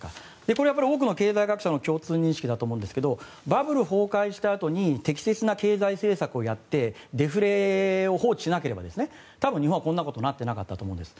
これは多くの経済学者の共通認識だと思いますがバブル崩壊したあとに適切な経済政策をやってデフレを放置しなければ多分、日本はこんなことになっていなかったと思うんです。